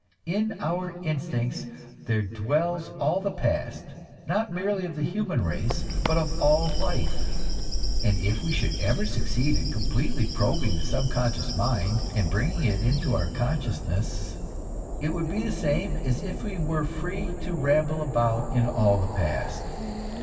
In our instincts there dwells all the past, not merely of the human race, but of all life, and if we should ever succeed in completely probing the subconscious mind and bringing it into our consciousness, it would be the same as if we were free to ramble about in all the past.